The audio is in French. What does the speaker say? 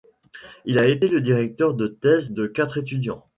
Il a été le directeur de thèse de quatre étudiants.